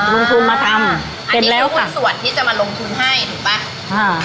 ลงทุนมาทำเป็นแล้วค่ะอันนี้คุณสวรที่จะมาลงทุนให้ถูกปะอ่า